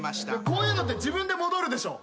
こういうのって自分で戻るでしょ。